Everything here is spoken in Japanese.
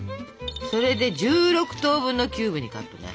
それで１６等分のキューブにカットね。